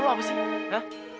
lu apa sih